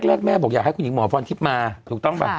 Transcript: แรกแม่บอกอยากให้คุณหญิงหมอฟรรณทริปมาถูกต้องรั้ง